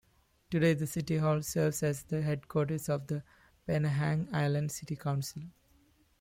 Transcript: Today, the City Hall serves as the headquarters of the Penang Island City Council.